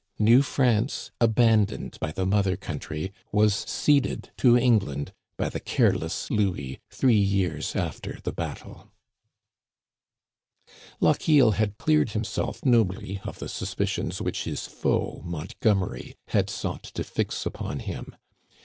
New France, abandoned by the mothei country, was ceded to England by the careless Louis three years after the battle. Lochiel had cleared himself nobly of the suspicions which his foe, Montgomery, had sought to fix upon Digitized by VjOOQIC THE PLAINS OF ABRAHAM. 203 him.